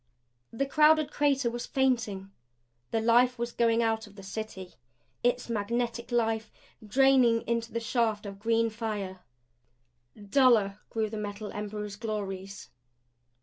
The crowded crater was fainting. The life was going out of the City its magnetic life, draining into the shaft of green fire. Duller grew the Metal Emperor's glories.